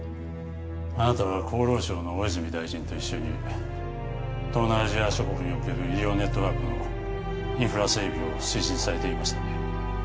あなたは厚労省の大泉大臣と一緒に東南アジア諸国における医療ネットワークのインフラ整備を推進されていましたね。